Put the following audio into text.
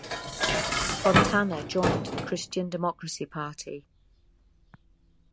Fontana joined the Christian Democracy Party.